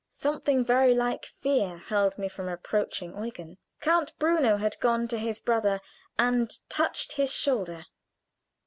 Something very like fear held me from approaching Eugen. Count Bruno had gone to his brother, and touched his shoulder.